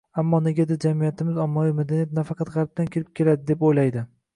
Ammo negadir jamiyatimiz ommaviy madaniyat faqat g`arbdan kirib keladi, deb o`ylaydi